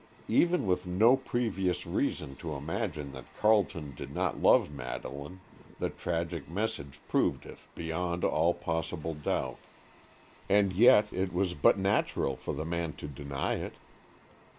Even with no previous reason to imagine that Carleton did not love Madeleine, the tragic message proved it beyond all possible doubt,—and yet it was but natural for the man to deny it.